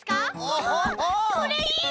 おそれいい！